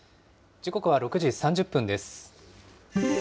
時刻は６時３０分です。